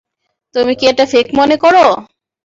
তুমি কি এটা কেক মনে করো?